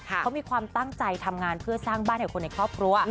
เขามีความตั้งใจทำงานเพื่อสร้างบ้านให้คนในครอบครัว